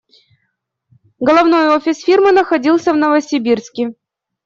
Головной офис фирмы находился в Новосибирске.